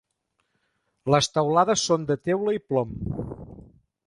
Les teulades són de teula i plom.